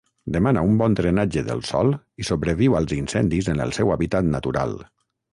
Demana un bon drenatge del sòl i sobreviu als incendis en el seu hàbitat natural.